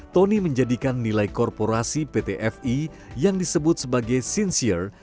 tony menjadikan nilai korporasi pt fi yang disebut sebagai sincere